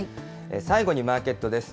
最後にマーケットです。